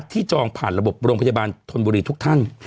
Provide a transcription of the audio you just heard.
จองผ่านระบบโรงพยาบาลธนบุรีทุกท่าน